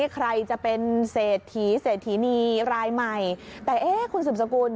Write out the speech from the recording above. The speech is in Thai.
ใครจะเป็นเศรษฐีเศรษฐีนีรายใหม่แต่เอ๊ะคุณสืบสกุล